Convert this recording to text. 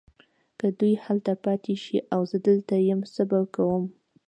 که دوی هلته پاته شي او زه دلته یم څه به کوم؟